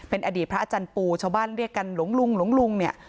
เป็นอดีตพระอาจารย์ปูชาวบ้านเรียกกันหลวงลุงหลวงลุงเนี่ย